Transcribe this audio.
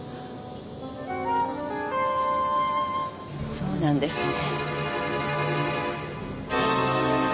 そうなんですね？